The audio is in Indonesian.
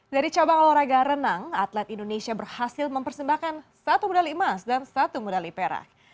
dari cabang olahraga renang atlet indonesia berhasil mempersembahkan satu medali emas dan satu medali perak